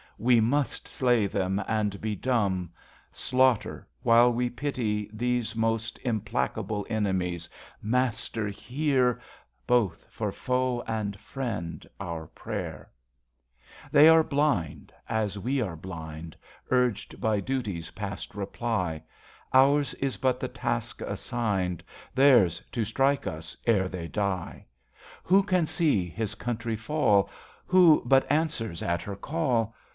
We must slay them, and be dumb, Slaughter, while we pity, these Most implacable enemies. Master, hear, Both for foe and friend, our prayer. 78 INTERCESSION They are blind, as we are blind, Urged by duties past reply. Ours is but the task assigned ; Theirs to strike us ere they die. Who can see his country fall ? Who but answers at her call?